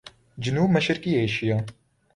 جنوب مشرقی ایشیا